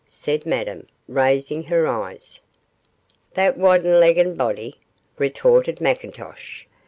said Madame, raising her eyes. 'That wudden legged body,' retorted McIntosh.